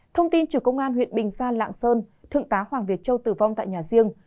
thông tin từ công an huyện bình gia lạng sơn thượng tá hoàng việt châu tử vong tại nhà riêng